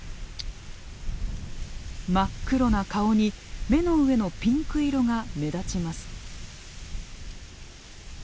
真っ黒な顔に目の上のピンク色が目立ちます。